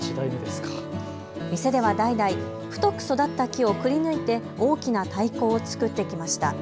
店では代々、太く育った木をくりぬいて大きな太鼓を作ってきました。